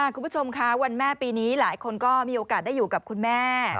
คุณผู้ชมค่ะวันแม่ปีนี้หลายคนก็มีโอกาสได้อยู่กับคุณแม่